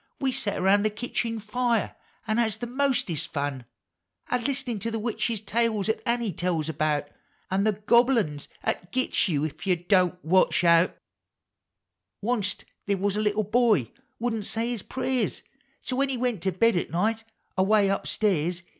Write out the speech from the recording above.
We set around the kitchen fire an' has the mostest fun A Iist'nin' to the witch tales 'at Annie tells about. An' the (lobble uns 'at gits you Ef you Don't Watch Out! Onc't they was a little boy wouldn't say his prayers, — So when he went to bed at night, away up stairs.